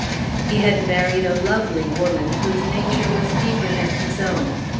He had married a lovely woman, whose nature was deeper than his own.